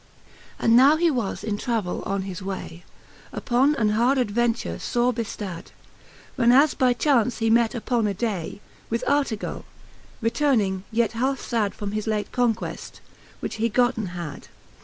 And now he was in travell on his way, Uppon an hard adventure fore beftad, Whenas by chaunce he met uppon a day With Artegally returning yet halfe fad From his late conqueft, which he gotten had.